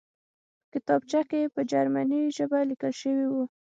په کتابچه کې په جرمني ژبه لیکل شوي وو